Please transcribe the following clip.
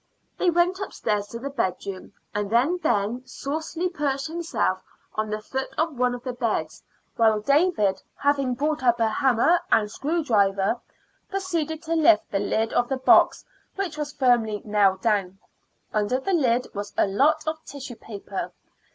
They went upstairs to the bedroom, and then Ben saucily perched himself on the foot of one of the beds; while David, having brought up a hammer and screwdriver, proceeded to lift the lid of the box, which was firmly nailed down. Under the lid was a lot of tissue paper.